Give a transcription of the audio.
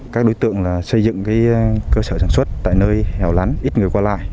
các đối tượng xây dựng cơ sở sản xuất tại nơi hèo lắn ít người qua lại